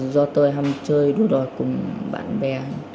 do tôi hâm chơi đối đối cùng bạn bè